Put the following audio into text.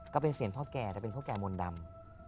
ก็เป็นเสียงพ่อแก่แต่เป็นพ่อแก่มนต์ดำ